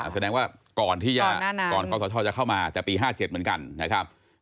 แสดงว่าก่อนข้อสชจะเข้ามาแต่ปี๕๗เหมือนกันนะครับ